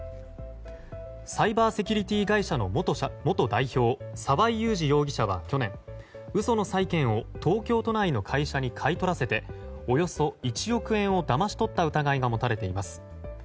サイバーセキュリティー会社の元代表、沢井祐史容疑者は去年嘘の債権を東京都内の会社に買い取らせておよそ１億円をだまし取った疑いが持たれています。